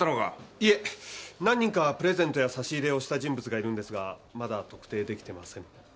いえ何人かはプレゼントや差し入れをした人物がいるんですがまだ特定できてません。